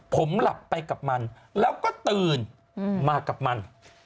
ผมหลับไปกับมันแล้วก็ตื่นมากับมัน